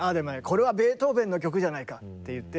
これはベートーベンの曲じゃないかって言って。